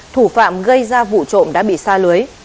thủ phạm gây ra vụ trộm đã bị xa lưới